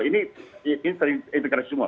ini terintegrasi semua